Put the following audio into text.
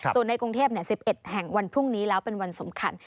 ส่วนในกรุงเทพ๑๑แห่งวันพรุ่งนี้แล้วเป็นวันสำคัญ